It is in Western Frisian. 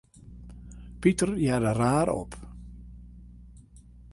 Piter hearde raar op.